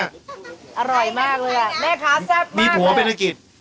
อร่อยมากเลยอ่ะแม่คะแซ่บมากเลย